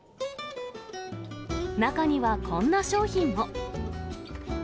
中には、こんな商品も。